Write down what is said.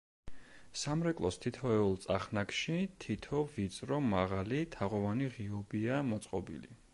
სამრეკლოს თითოეულ წახნაგში თითო, ვიწრო, მაღალი, თაღოვანი ღიობია მოწყობილი.